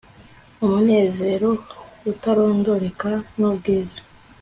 umunezero utarondoreka nu bwiza